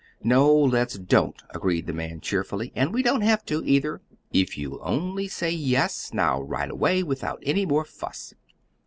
"No, let's don't," agreed the man, cheerfully. "And we don't have to, either, if you'll only say 'yes,' now right away, without any more fuss."